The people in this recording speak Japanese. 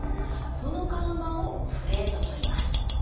この岩盤をプレートといいます。